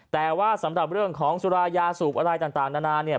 แต่ว่าสำหรับเรื่องของสุรายาสูบอะไรต่างนานาเนี่ย